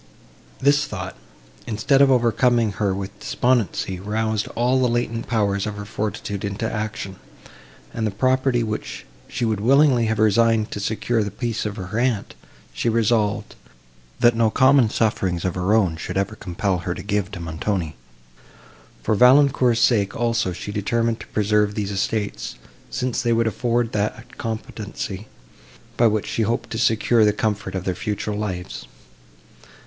This thought, instead of overcoming her with despondency, roused all the latent powers of her fortitude into action; and the property, which she would willingly have resigned to secure the peace of her aunt, she resolved, that no common sufferings of her own should ever compel her to give to Montoni. For Valancourt's sake also she determined to preserve these estates, since they would afford that competency, by which she hoped to secure the comfort of their future lives.